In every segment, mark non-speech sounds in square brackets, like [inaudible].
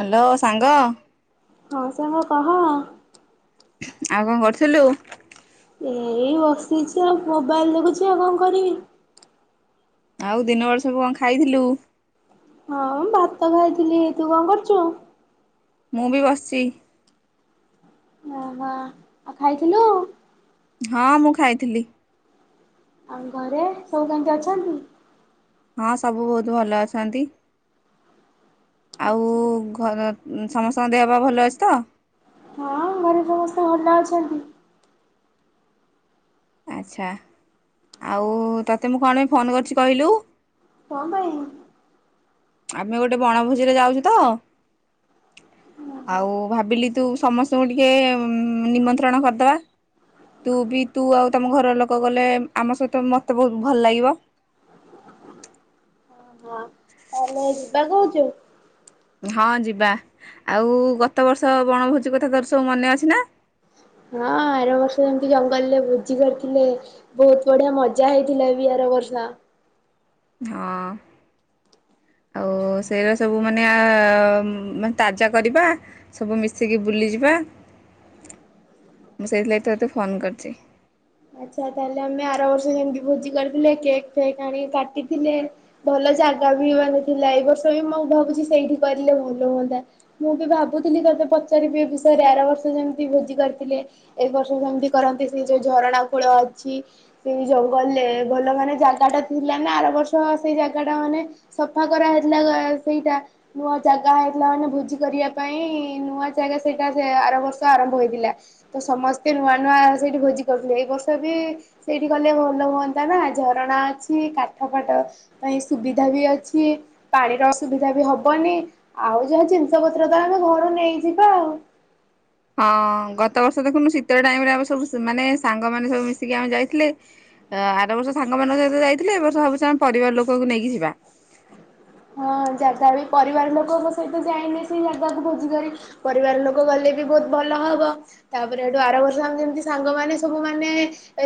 Hello ସାଙ୍ଗ। ହଁ ସାଙ୍ଗ କହ। ଆଉ କଣ କରୁଥିଲୁ? ମୁଁ ଏଇ ବସିଛି ଆଉ ମୋବାଇଲ୍ ଦେଖୁଛି ଆଉ କଣ କରିବି। ଆଉ ଦିନବେଳା ସବୁ କଣ ଖାଇଥିଲୁ? ହଁ ମୁଁ ଭାତ ଖାଇଥିଲି ତୁ କଣ କରୁଛୁ? ମୁଁ ବି ବସିଛି। ଓହୋ ଆଉ ଖାଇଥିଲୁ? ହଁ ମୁଁ ଖାଇଥିଲି। ଆଉ ଘରେ ସବୁ କେମିତି ଅଛନ୍ତି? ହଁ ସବୁ ବହୁତ ଭଲ ଅଛନ୍ତି। ଆଉ ଆଚ୍ଛା। ଘର ସମସ୍ତଙ୍କ ଦେହ ପା ଭଲ ଅଛି ତ। ହଁ ଘରେ ସମସ୍ତେ ଭଲ ଅଛନ୍ତି। ଆଚ୍ଛା ଆଉ ତୋତେ ମୁଁ କଣ ପାଇଁ ଫୋନ୍ କରିଛି କହିଲୁ। କଣ ପାଇଁ? ଆମେ ଗୋଟେ ବଣଭୋଜି ରେ ଯାଉଛୁ ତ ଆଉ ଭାବିଲି ତୁ ସମସ୍ତଙ୍କୁ ଟିକେ ନିମନ୍ତ୍ରଣ କରିଦବା ତୁ ବି ତୁ ଆଉ ତମ ଘରର ଲୋକ ଗଲେ ଆମ ସହିତ ମତେ ବହୁତ ଭଲ ଲାଗିବ। ହଁ ତାହେଲେ ଯିବା କହୁଛୁ। ହଉ। ହଁ ଯିବା ଆଉ ଗତ ବର୍ଷ ବଣଭୋଜି କଥା ତୋର ସବୁ ମନେ ଅଛି ନା। ହଁ ଆର ବର୍ଷ ଯେମିତି ଜଙ୍ଗଲରେ ଭୋଜି କରିଥିଲେ ବହୁତ ବଢ଼ିଆ ମଜା ହେଇଥିଲା ବି ଆର ବର୍ଷ। ହଁ ଆଉ ସେଇର ସବୁ ମାନେ ତାଜା କରିବା ସବୁ ମିଶିକି ବୁଲିଯିବା ମୁଁ ସେଇଥିଲାଗି ତତେ ଫୋନ କରିଛି। ଆଚ୍ଛା ତାହେଲେ ଆମେ ଆର ବର୍ଷ ଯେମିତି ଭୋଜି କରିଥିଲେ କେକ୍ ଫେକ୍ ଆଣିକି କାଟିଥିଲେ ଭଲ ଜାଗା ବି ମାନେ ଥିଲା ଏ ବର୍ଷ ବି ମୁଁ ଭାବୁଛି ସେଇଠି କରିଲେ ଭଲ ହୁଅନ୍ତା ମୁଁ ବି ଭାବୁଥିଲି ତତେ ପଚାରିବି ଏ ବିଷୟରେ ଆର ବର୍ଷ ଯେମତି ଭୋଜି କରିଥିଲେ ଏ ବର୍ଷ ସେମିତି କରନ୍ତି ସେ ଯୋଉ ଝରଣା କୂଳ ଅଛି ସେଇ ଜଙ୍ଗଲରେ ଭଲ ମାନେ ଜାଗା ଟା ଥିଲା ନା ଆର ବର୍ଷ ସେଇ ଜାଗା ଟା ମାନେ ସଫା କରାହେଇଥିଲା ସେଇଟା ନୂଆ ଜାଗା ହେଇଥିଲା ମାନେ ଭୋଜି କରିବା ପାଇଁ ନୂଆ ଜାଗା ସେଇଟା ସେ ଆର ବର୍ଷ ଆରମ୍ଭ ହୋଇଥିଲା ତ ସମସ୍ତେ ନୂଆ ନୂଆ ସେଇଠି ଭୋଜି କରୁଥିଲେ ଏଇ ବର୍ଷ ଏଥର ବି ସେଇଠି କଲେ ଭଲ ହୁଅନ୍ତା ନା ଝରଣା ଅଛି କାଠ ଫାଠ ଏ ପାଇଁ ସୁବିଧା ବି ଅଛି ପାଣିର ଅସୁୁବିଧା ବି ହବନି ଆଉ ଯାହା ଜିନିଷ ପତ୍ର ତ ଆମେ ଘରୁ ନେଇଯିବା ଆଉ। ହଁ ଗତ ବର୍ଷ ଦେଖୁନୁ ଶୀତ ଟାଇମ୍ ରେ ଆ ସବୁ ମାନେ ସାଙ୍ଗମାନେ ସବୁ ମିଶିକି ଆମେ ଯାଇଥିଲେ ଆର ବର୍ଷ ସାଙ୍ଗମାନଙ୍କ ସହିତ ଯାଇଥିଲେ ଏ ବର୍ଷ ଭାବୁଛି ଆମେ ପରିବାର ଲୋକଙ୍କୁ ନେଇକି ଯିବା। ହଁ ଜାଗା ବି ପରିବାର ଲୋକ ମୋ ସହିତ ଯାଇନି ସେଇ ଜାଗାକୁ ଭୋଜିିକ ପରିବାର ଲୋକ ଗଲେ ବି ବହୁତ ଭଲ ହବ ତାପରେ ଏଠୁ ୟାର ବର୍ଷ ଯେମିତି ସାଙ୍ଗ ମମାନେ ସବୁ ମାନ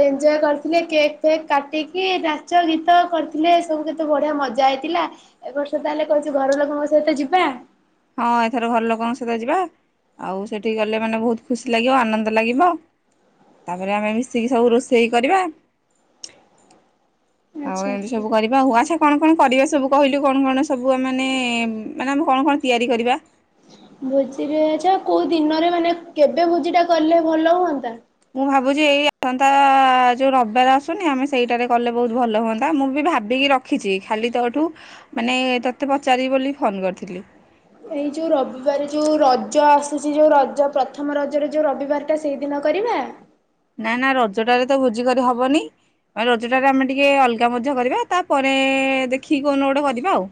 ଏଞ୍ଜୟ କରିଥିଲେ କେକ୍ ଫେକ୍ କାଟିକି ନାଚ ଗୀତ କରିଥିଲେ ସବୁ କେତେ ବଢିଆ ମଜା ହେଇଥିଲା। ଏବ ବର୍ଷ ତାହେଲେ କହୁଛି ଘର ଲୋକଙ୍କ ସହିତ ଯିବା। ହଁ ଏଥର ଘର ଲୋକଙ୍କ ସହିତ ଯିବା ଆଉ ସେଠିକି ଗଲେ ମାନେ ବହୁତ ଖୁସି ଲାଗିବ ଆନନ୍ଦ ଲାଗିବ ତାପରେ ଆମେ ମିଶିକି ସବୁ ରୋଷେଇ କରିବା। ଆଉ ଆଚ୍ଛା। ଏମିତି ସବୁ କରିବା ହଉ ଆଚ୍ଛା କଣ କଣ କରିବା ସ ସବୁ କହିଲୁ କଣ କଣ ସବୁ ଆ ମାନେ ମାନେ ଆମେ କଣ କଣ ତିଆରି କରିବା। ଭୋଜିରେ ଆଚ୍ଛା କୋଉ ଦିନରେ ମାନେ କେବେ ଭୋଜି ଟା କଲେ ଭଲ ହୁଅନ୍ତା। ମୁଁ ଭାବୁଛି ଏଇ ଆସନ୍ତା ଯୋଉ ରବିବାର ଆସୁନି ଆମେ ସେଇଟାରେ କଲେ ବହୁତ ଭଲ ହୁଅନ୍ତା ମୁଁ ବି ଭାବିକି ରଖିଛି ଖାଲି ତୋଠୁ ମାନେ ମତେ ପଚାରି ବୋଲି ଫୋନ କରିଥିଲି। ଏଇ ଯୋଉ ରବିବାର ଯୋଉ ରଜ ଆସୁଛି ଯୋଉ ରଜ ପ୍ରଥମ ରଜରେ ଯୋଉ ରବିବାର ଟା ସେଇଦିନ କରିବା। ନା ନା ରଜ ଟାରେ ତ ଭୋଜି କରି ହବନି ରଜ ଟାରେ ଆମେ ଟିକେ ଅଲଗା ମଧ୍ୟ କରିବା ତାପରେ ଦେଖିକି କହୁନୁ ଗୋଟେ କରିବା ଆଉ।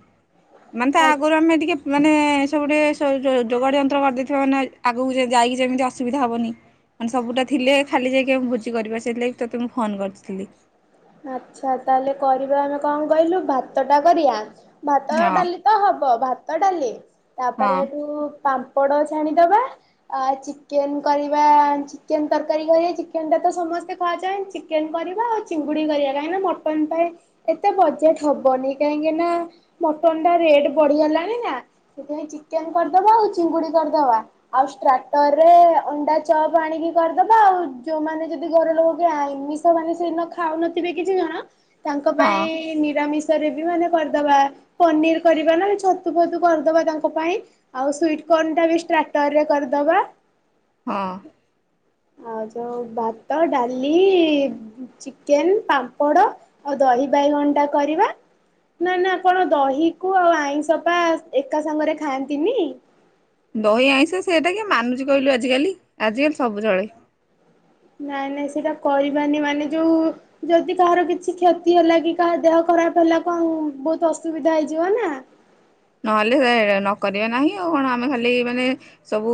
ମାନେ ତ ଆଚ୍ଛା ଆଗରୁ ଆମେ ଟିକେ ମାନେ ସବୁ ଟେ ଯୋ ଯୋଗାଡି ଯନ୍ତ୍ର କରିଦେଇଥିବା ମାନେ ଆଗକୁ ଯାଇକି ଯେମିତି ଅସୁବିଧା ହବନି ମାନେ ସବୁଟା ଥିଲେ। ଖାଲି ଯାଇକି ମ ଭୋଜି କରିପାର ସେଥିଲା ବି ତୋତେ ମୁଁ ଫୋନ୍ କରିଥିଲି। ଆଚ୍ଛା ତାହେଲେ କରିବା ଆମେ କଣ କହିଲୁ ଭାତ ଟା କରିବା। ଭାତ ହଁ ଡାଲି ତ ହବ ଭାତ। ଭାତ ଡାଲି। ହଁ ତାପରେ ଯୋଉ ପାମ୍ପ ପାମ୍ପଡ ଛାଣିଦବା ଆ ଚିକେନ କରିବା ଚିକେନ ତରକାରୀ କରିବା ଚିକେନ ଟା ତ ସମସ୍ତେ ଖାଆ [unintelligible] ଚିକେନ କରିବା ଆଉ ଚିଙ୍ଗୁଡି କରିବା। କାହିଁକି ନା ମଟନ ପାଇଁ ଏତେ ବଜେଟ ହବନି କାହିଁକି ନା ମଟନ ଟା ରେଟ ବଢିଗଲାଣି ନା ସେଥିପାଇଁ ଚିକେନ କରିଦବା ଆଉ ଚିଙ୍ଗୁଡି କରିଦବା ଆଉ ଷ୍ଟାର୍ଟର ରେ ଅଣ୍ଡା ଚପ୍ ଆଣିକି କରିଦବା ଆଉ ଯୋଉମାନେ ଯଦି ଘର ଲୋକ କି ଆମିଷ ମାନେ ସେଦିନ ଖାଉନ ଥିବେ କିଛି ଜଣ ତାଙ୍କ ହଁ ପାଇଁ ନିରାମିଷ। [unintelligible] ମାନେ କରିଦବା ପନିର କରିବା ନା ଛତୁ ଫତୁ କରିଦବା ତାଙ୍କ ପାଇଁ ଆଉ ସୁଇଟ କର୍ଣ୍ଣଟା ବି ଷ୍ଟାଟରରେ କରିଦବା। ହଁ। ଆଉ ଯଉ ଭାତ ଡାଲି ଚିକେନ। ପାମ୍ପଡ ଆଉ ଦହି ବାଇଗଣଟା କରିବା ନା ନା କଣ ଦହି କୁ ଆଉ ଆଇଁଷପା ଏକା ସାଙ୍ଗରେ ଖାଆନ୍ତିନି। ଦହି ଆଇଁଷ ସେଇଟା କି ମାନୁଚି କଇଲୁ ଆଜି କାଲି ଆଜିିକାଲି ସବୁ ଚଳେ। ନାଇଁ ନାଇଁ ସେଇଟା କରିବାନି ମାନେ ଯୋଉ ଯଦି କାହାର କିଛି କ୍ଷତି ହେଲା କି କାହାର ଦେହ ଖରାପ ହେଲା କଣ ବହୁତ ଅସୁବିଧା ହେଇଯିବ ନା। ନହେଲେ ନକରି ବା ନାହିଁ ଆଉ କଣ ଆମେ ଖାଲି ମାନେ ସବୁ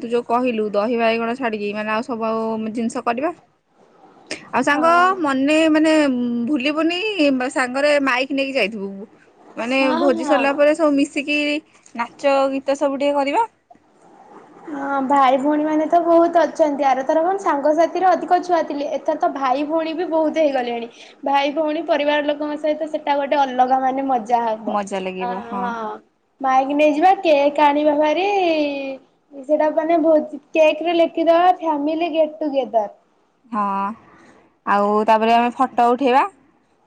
ତୁ ଯୋଉ କହିଲୁ ଦହିବାଇଗଣ ଛାଡିକି ମାନେ ଆଉ ସବୁ ଆଉ ଜିନିଷ କରିବା। ଆଉ ହଁ ସାଙ୍ଗ ମନେ ମାନେ ଭୁଲିବୁନି ସାଙ୍ଗରେ ମାଇକ ନେଇକି ଯାଇଥିବୁ। ମାନେ ହଁ ଭୋଜି ସରିଲା ହଁ। ପରେ ମିଶିକି ନାଚ ଗୀତ ସବୁ ଟିକେ କରିବା। ହଁ ଭାଇ ଭଉଣୀ ମାନେ ତ ବହୁତ ଅଛନ୍ତି ଆରଥର କ ସାଙ୍ଗସାଥିର ଅଧିକ ଛୁଆ ଥିଲେ ଏଥର ତ ଭାଇ ଭଉଣୀ ବି ବହୁତ ହେଇଗଲେଣି ଭାଇ ଭଉଣୀ ପରିବାର ଲୋକଙ୍କ ସହିତ ସେଟା ଗୋଟେ ଅଲଗା ମାନେ ମଜା। ଯାହା କୁହ ମଜା ଆ ଲାଗିବ ହଁ। ମାଇକି ନେଇଯିବା କେକ୍ ଆଣିବା ଭାରି। ସେଟା ମାନେ ବହୁତ କେକ୍ ରେ ଲେଖିଦବା ଫ୍ୟାମିଲି ଗେଟ୍ ଟୁଗେଦର। ହଁ ଆଉ ତାପରେ ଆମେ ଫଟୋ ଉଠେଇବା।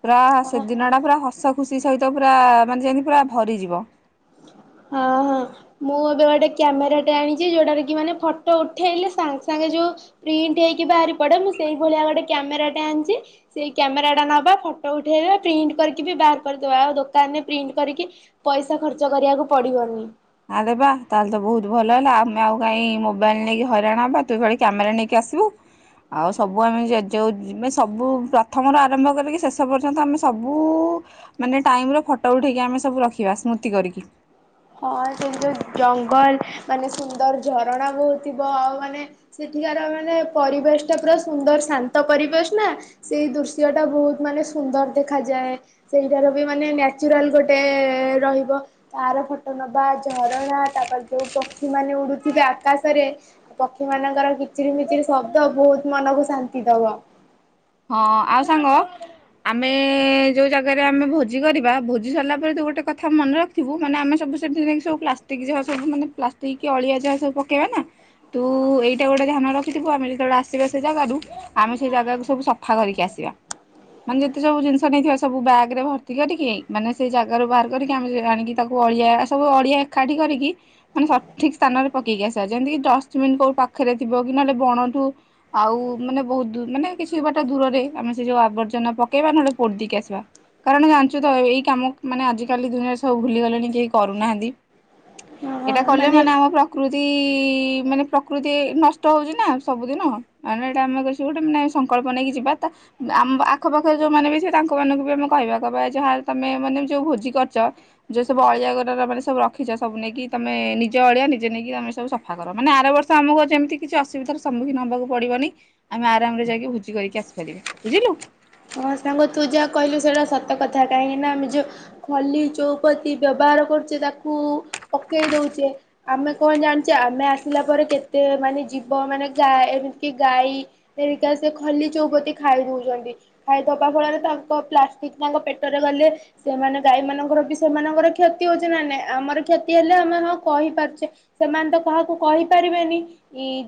ପୁରା ହଁ ହଁ ସେଦିନ ଟା ପୁରା ହସ ଖୁସି ସହିତ ପୁରା ମାନେ ଯେମିତି ପୁରା ଭରିଯିବ। ହଁ ହଁ ମୁଁ ଏବେ ଗୋଟେ କ୍ୟାମେରାଟେ ଆଣିଚି ଯୋଉଟାରେ କି ମାନେ ଫଟୋ ଉଠେଇଲେ ସାଙ୍ଗେ ସାଙ୍ଗେ ଯୋଉ ପ୍ରିଣ୍ଟ ହେଇକି ବାହାରି ପଡେ ମୁଁ ସେଇଭଳିଆ ଗୋଟେ କ୍ୟାମେରାଟେ ଆଣିଚି ସେଇ କ୍ୟାମେରା ଟା ନବା ଫଟୋ ଉଠେଇଦବା ପ୍ରିଣ୍ଟ କରିକି ବି ବାହାର କରିଦବା ଆଉ ଦୋକାନରେ ପ୍ରିଣ୍ଟ କରିକି ପଇସା ଖର୍ଚ୍ଚ କରିବାକୁ ପଡିବନି। ଆରେ ବା ତାହେଲେ ତ ବହୁତ ଭଲ ହେଲା ଆମେ ଆଉ କାଇଁ ମୋବାଇଲ ନେଇକି ହଇରାଣ ହେବା ତୁ ଭଳି କ୍ୟାମେରା ନେଇକି ଆସିବୁ ଆଉ ସବୁ ଆମେ ଜ-ଯଉ ସବୁ ପ୍ରଥମରୁ ଆରମ୍ଭ କରିକି ଶେଷ ପର୍ଯ୍ୟନ୍ତ ଆମେ ସବୁ ମାନେ ଟାଇମର ଫଟୋ ଉଠେଇକି ଆମେ ସବୁ ରଖିବା ସ୍ମୃତି କରିକି। ହଁ ସେଇ ଯଉ ଜଙ୍ଗଲ ମାନେ ସୁନ୍ଦର ଝରଣା ବହୁ ଥିବ ଆଉ ମାନେ ସେଠିକାର ମାନେ ପରିବେଶ ଟା ପୁରା ସୁନ୍ଦର ଶାନ୍ତ ପରିବେଶ ନା ସେଇ ଦୃଶ୍ୟ ଟା ବହୁତ ମାନେ ସୁନ୍ଦର ଦେଖାଯାଏ। ସେଇଟାର ବି ମାନେ ନ୍ୟାଚୁରାଲ ଗୋଟେ ରହିବ ତାର ଫ ଟ ନବା ଝରଣା ତାପରେ ଯୋଉ ପକ୍ଷୀ ମାନେ ଉଡୁଥିବେ ଆକାଶରେ ପକ୍ଷୀ ମାନଙ୍କର କିଚିରି ମିଚିରି ଶବ୍ଦ ବହୁତ ମନକୁ ଶାନ୍ତି ଦବ। ହଁ ଆଉ ସାଙ୍ଗ ଆମେ ଯୋଉ ଜାଗାରେ ଆମେ ଭୋଜି କରିବା ଭୋଜି ସରିଲା ପରେ ତୁ ଗୋଟେ କଥା ମନେ ରଖଥିବୁ ମାନେ ଆମେ ସବୁ ସେଠିକ ସବୁ ପ୍ଲାଷ୍ଟିକ ଯାହା ସବୁ ମାନେ ପ୍ଲାଷ୍ଟିକ କି ଅଳିଆ ଯାହା ସବୁ ପକେଇବା ନା ତୁ ଏଇଟା ଗୋଟେ ଧ୍ୟାନ ରଖିଥିବୁ ଆମେ ଯେତେବେଳେ ଆସିବା ସେ ଜାଗାରୁ ଆମେ ସେ ଜାଗାକୁ ସବୁ ସ ଫା କରିକି ଆସିବା ମାନେ ଯେତେ ସବୁ ଜିନିଷ ନେଇଥିବା ସବୁ ବ୍ୟାଗ ରେ ଭର୍ତ୍ତି କରିକି ମାନେ ସେଇ ଜାଗାରୁ ବାହାର କରିକି ଆମେ ଆଣିକି ତାକୁ ଅଳିଆ ସବୁ ଅଳିଆ ଏକାଠି କରିକି ମାନେ ସଠିକ ସ୍ଥାନରେ ପକେଇକି ଆସିବା ଯେମିତିକ ଡଷ୍ଟବିନ୍ କୋଉ ପାଖରେ ଥିବ କି ନହେଲେ ବଣଠୁ ଆଉ ମାନେ ବହୁତ ଦୂ ମାନେ କିଛି ବା ଟ ଦୂରରେମେ ସେ ଯୋଉ ଆବର୍ଜନା ପକେଇବା ନହେଲେ ପୋଡି ଦେଇକି ଆସିବା କାରଣ ଜାଣିଚୁ ତ ଏଇ କାମ ମାନେ ଆଜିିକାଲି ଦୁନିଆରେ ସବୁ ଭୁଲିଗଲେଣି କେହି କରୁନାହାନ୍ତି। ଏଇଟା କଲେ ମାନେ ଆମ ପ୍ରକୃ ତିଇ ମାନେ ପ୍ରକୃତି ନଷ୍ଟ ହଉଚି ନା ସବୁଦିନ ମାନେ ଏଇଟା ଆମେ ଗୋଟେ ମାନେ ସଂକଳ୍ପ ନେଇକି ଯିବା ତା ଆମ ଆଖପାଖରେ ଯୋଉମାନେ ବି ଥିବେ ତାଙ୍କ ମାନଙ୍କୁ ବି ଆମେ କହିବା କହବା ଯାହା ତମେ ମାନେ ଯୋଉ ଭୋଜି କରିଚ ଯୋଉ ସବ ଅଳିଆ [unintelligible] ମାନେ ସବୁ ରଖିଚ ସବୁ ନେଇକି ତମେ ନିଜ ଅଳିଆ ନିଜେ ନେଇକି ତମେ ସବୁ ସଫା କର ମାନେ ଆର ବର୍ଷ ଆମକୁ ଯେମିତି କିଛି ଅସୁବିଧାର ସମ୍ମୁଖୀନ ହବାକୁ ପଡିବନି ଆମେ ଆରାମ୍ ରେ ଯାଇକି ଭୋଜି କରିକି ଆସି କରିବେ ବୁଝିଲୁ। ହଁ ସାଙ୍ଗ ତୁ ଯା କଇଲୁ ସେଟା ସତ କଥା କାହିଁକିନା ଆମେ ଯୋଉ ଖଲି ଚଉପତି ବ୍ୟବହାର କରୁଚେ ତାକୁ ପକେଇ ଦଉଚେ ଆମେ କଣ ଜାଣିଚେ ଆମେ ଆସିଲା ପରେ କେତେ ମାନେ ଜୀବ ମାନେ ଗା ଏମିତିକି ଗାଈ ହେରିକା ସେ ଖଲି ଚଉପତି ଖାଇ ଦଉଚନ୍ତି। ଖାଇଦବା ଫଳରେ ତାଙ୍କ ପ୍ଲାଷ୍ଟିକ ତାଙ୍କ ପେଟରେ ଗଲେ ସେମାନେ ଗାଈ ମାନଙ୍କର ବି ସେମାନଙ୍କର କ୍ଷତି ହଉଚି ନା ନାଇଁ ଆମର କ୍ଷତି ହେଲେ ଆମେ ହଁ କହିପାରୁଚେ ସେମାନେ ତ କାହାକୁ କହିପାରିବେନି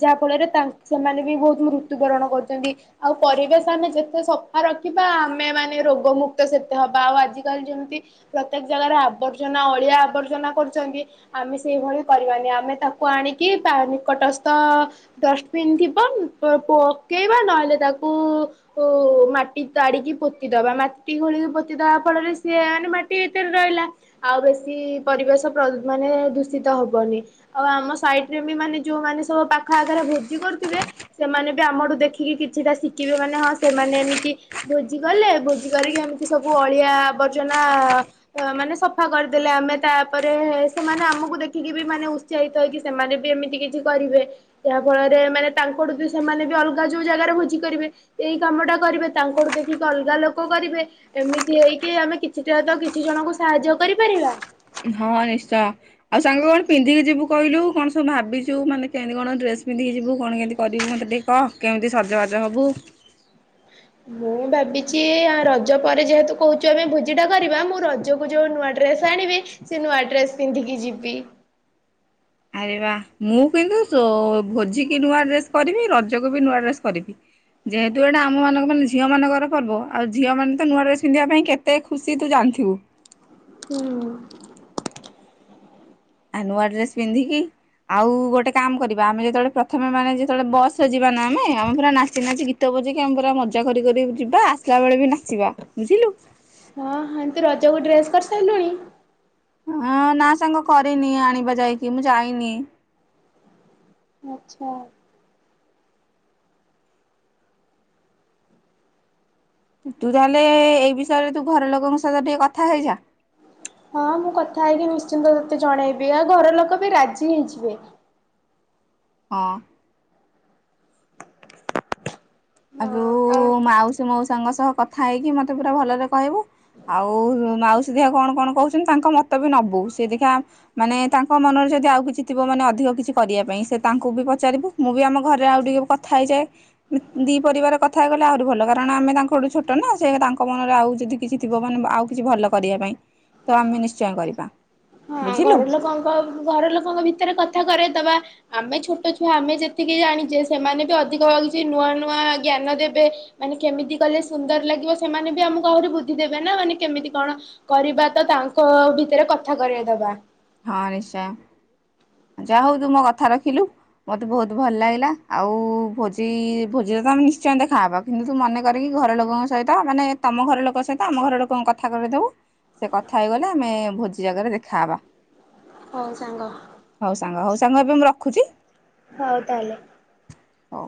ଯାହା ଫଳରେ ତା ସେମାନେ ବି ବହୁତ ମୃତ୍ୟୁବରଣ କରୁଚନ୍ତି ଆଉ ପରିବେଶ ଆମେ ଯେତେ ସ ଫାଆ ରଖିବା ଆମେ ମାନେ ରୋଗମୁକ୍ତ ସେତେ ହେବା ଆଉ ଆଜିକାଲି ଯେମିତି ପ୍ରତ୍ୟେକ ଜାଗାରେ ଆବର୍ଜନା ଅଳିଆ ଆବର୍ଜନା କରୁଚନ୍ତି ଆମେ ସେଇଭଳି କରିବାନି ଆମେ ତାକୁ ଆଣିକି ବା ନିକଟସ୍ଥ ଡଷ୍ଟପିନ୍ ଥିବ ପକେଇବା ନହେଲେ ତାକୁ ମା ଟି ତାଡ଼ିକି ପୋତିଦବା ମାଟି ଘୋଳିକି ପୋତି ଦବା ଫଳରେ ସିଏ ମାନେ ମାଟି ଭିତରେ ରହିଲା ଆଉ ବେଶୀ ପରିବେଶ ପ୍ର ମାନେ ଦୂଷିତ ହେବନି ଆଉ ଆମ ସାଇଟ୍ ରେ ବି ମାନେ ଯଉମାନେ ସବୁ ପାଖ ଆଖରେ ଭୋଜି କରୁଥିବେ ସେମାନେ ବି ଆମଠୁ ଦେଖିକି କିଛିଟା ଶିଖିବେ ମାନେ ହଁ ସେମାନେ ଏମିତି ଭୋଜି କଲେ ଭୋଜି କରିକି ଏମିତି ସବୁ ଅଳିଆ ଆବର୍ଜନା ମାନେ ସଫା କରିଦେଲେ ଆମେ ତାପରେ ସେମାନେ ଆମକୁ ଦେଖିକି ବି ମାନେ ଉତ୍ସାହିତ ହେଇକି ସେମାନେ ବି ଏମିତି କିଛି କରିବେ ଯାହା ଫଳରେ ମାନେ ତାଙ୍କଠୁ ବି ସେମାନେ ବି ଅଲଗା ଯୋଉ ଜାଗାରେ ଭୋଜି କରିବେ ଏଇ କାମ ଟା କରିବେ। ତାଙ୍କଠୁ ଦେଖିକି ଅଲଗା ଲୋକ କରିବେ ଏମିତି ହେଇକି ଆମେ କିଛିଟା ତ କିଛି ଜଣଙ୍କୁ ସାହାଯ୍ୟ କରିପାରିବା। ହଁ ନିଶ୍ଚୟ ଆଉ ସାଙ୍ଗେ କଣ ପିନ୍ଧିକି ଯିବୁ କଇଲୁ କଣ ସବୁ ଭାବିଚୁ ମାନେ କେମତି କଣ ଡ୍ରେସ ପିନ୍ଧିକି ଯିବୁ କଣ କେମିତି କରିବୁ ମତେ ଟିକେ କଅ କେମିତି ସଜବାଜ ହବୁ। ମୁଁ ଭାବିଚି ଆ ରଜ ପରେ ଯେହେତୁ କୋହୁଚୁ ଆମେ ଭୋଜିଟା କରିବା ମୁଁ ରଜକୁ ଯୋଉ ନୂଆ ଡ୍ରେସ ଆଣିବି ସେ ନୂଆ ଡ୍ରେସ ପିନ୍ଧିକି ଯିବି। ଆରେ ବା ମୁଁ କିନ୍ତୁ ସୋ ଭୋଜିିକି ନୂଆ ଡ୍ରେସ କରିବି ରଜକୁ ବି ନୂଆ ଡ୍ରେସ କରିବି ଯେହେତୁ ଏଟା ଆମମାନଙ୍କ ମାନେ ଝିଅମାନଙ୍କର ପର୍ବ ଆଉ ଝିଅମାନେ ତ ନୂଆ ଡ୍ରେସ ପିନ୍ଧିବା ପାଇଁ କେତେ ଖୁସି ତୁ ଜାଣିଥିବୁ। ହୁଁ। ଆ ନୂଆ ଡ୍ରେସ୍ ପିନ୍ଧିକି ଆଉ ଗୋଟେ କାମ କରିବା ଆମେ ଯେତୋଳେ ପ୍ରଥମେ ମାନେ ଯେତୋଳେ ବସରେ ଯିବା ନାଁ ଆମେ ଆମେ ପୁରା ନାଚି ନାଚି ଗୀତ ବଜେଇକି ଆମେ ପୁରା ମଜା କରିି କରି ଯିବା ଆସିଲା ବେଳେ ବି ନାଚିବା। ବୁଝିଲୁ। ହଁ ହଁ। ତୁ ରଜକୁ ଡ୍ରେସ୍ କରିସାଇଲୁଣି? ହଁ ନାଁ ସାଙ୍ଗ କରିନି ଆଣିବା ଯାଇକି ମୁଁ ଯାଇନି। ଆଚ୍ଛା। ତୁ ତାହେଲେ ଏଇ ବିଷୟରେ ତୁ ଘର ଲୋକଙ୍କ ସହିତ ଟିକେ କଥା ହେଇଯା। ହଁ ମୁଁ କଥା ହେଇକି ନିଶ୍ଚିନ୍ତ ତତେ ଜଣେଇବି ଆଉ ଘର ଲୋକ ବି ରାଜି ହେଇଯିବେ। ହଁ। ହଁ ଆରୁ ଆଉ ମାଉସୀ ମୋଉସଙ୍କ ସହ କଥା ହେଇକି ମତେ ପୁରା ଭଲରେ କହିବୁ ଆଉ ମାଉସୀ ଦେଖା କଣ କଣ କୋହୁଚନ୍ତି ତାଙ୍କ ମତ ବି ନବୁ ସେ ଦେଖା ମାନେ ତାଙ୍କ ମନରେ ଯଦି ଆଉ କିଛି ଥିବ ମାନେ ଅଧିକ କିଛି କରିବା ପାଇଁ ସେ ତାଙ୍କୁ ବି ପଚାରିବୁ ମୁଁ ବି ଆମ ଘରେ ଆଉ ଟିକେ କଥା ହେଇଯାଏ। ଉଁ ଦି ପରିବାର କଥା ହେଇଗଲେ ଆହୁରି ଭଲ କାରଣ ଆମେ ତାଙ୍କଠୁ ଛୋଟ ନାଁ ସେ ତାଙ୍କ ମନରେ ଆଉ ଯଦି କିଛି ଥିବ ମାନେ ଆଉ କିଛି ଭଲ କରିବା ପାଇଁ ତ ଆମେ ନିଶ୍ଚୟ କରିବା। ହଁ ବୁଝିଲୁ। ଘର ଲୋକଙ୍କ ଘର ଲୋକଙ୍କ ଭିତରେ କଥା କରେଦବା। ଆମେ ଛୋଟ ଛୁଆ ଆମେ ଯେତିକି ଜାଣିଚେ ସେମାନେ ବି ଅଧିକ ହଉଚି ନୂଆ ନୂଆ ଜ୍ଞାନ ଦେବେ ମାନେ କେମିତି କଲେ ସୁନ୍ଦର ଲାଗିବ ସେମାନେ ବି ଆମୁକୁ ଆହୁରି ବୁଦ୍ଧି ଦେବେ ନା ମାନେ କେମିତି କଣ କରିବା ତ ତାଙ୍କ ଭିତରେ କଥା କରେଇ ଦବା। ହଁ ନିଶ୍ଚୟ। ଯା ହୋଉ ତୁ ମୋ କଥା ରଖିଲୁ ମୋତେ ବୋହୁତ ଭଲ ଲାଗିଲା। ଆଉ ଭୋଜି ଭୋଜିରେ ତ ଆମେ ନିଶ୍ଚୟ ଦେଖାହବା କିନ୍ତୁ ତୁ ମନେ କରିକି ଘର ଲୋକଙ୍କ ସହିତ ମାନେ ତମ ଘର ଲୋକଙ୍କ ସହିତ ଆମ ଘର ଲୋକଙ୍କୁ କଥା କରେଇଦବୁ ସେ କଥା ହେଇଗଲେ ଆମେ ଭୋଜି ଜାଗାରେ ଦେଖାହବା। ହଉ ସଙ୍ଗ। ହଉ ସାଙ୍ଗ ହଉ ସାଙ୍ଗ ଏବେ ମୁଁ ରଖୁଚି। ହଉ ତାହଲେ। ହଉ।